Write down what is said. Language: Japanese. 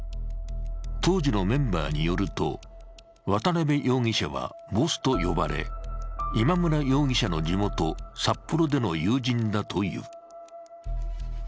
当時のメンバーによると、渡辺容疑者はボスと呼ばれ今村容疑者の地元、札幌での友人だという。